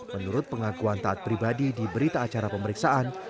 menurut pengakuan taat pribadi di berita acara pemeriksaan